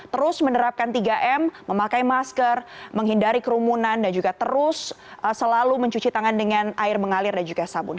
terus menerapkan tiga m memakai masker menghindari kerumunan dan juga terus selalu mencuci tangan dengan air mengalir dan juga sabun